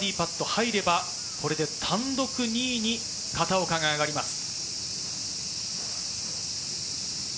入ればこれで単独２位に片岡が上がります。